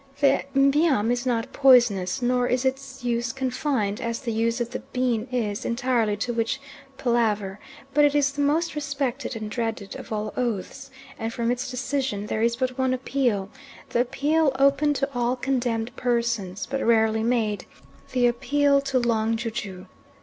The Mbiam is not poisonous, nor is its use confined, as the use of the bean is, entirely to witch palaver; but it is the most respected and dreaded of all oaths, and from its decision there is but one appeal, the appeal open to all condemned persons, but rarely made the appeal to Long ju ju.